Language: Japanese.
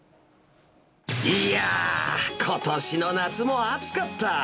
いやー、ことしの夏も暑かった。